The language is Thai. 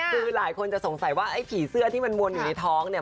คือหลายคนจะสงสัยว่าไอ้ผีเสื้อที่มันวนอยู่ในท้องเนี่ย